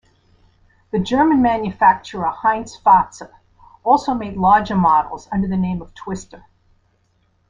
The German manufacturer Heintz-Fahtze also made larger models under the name of Twister.